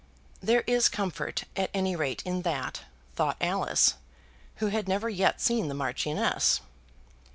There is comfort at any rate in that, thought Alice, who had never yet seen the Marchioness.